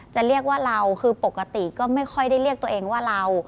จะเรียกว่าเราคือปกติก็ไม่ค่อยได้เรียกตัวเองว่าเรา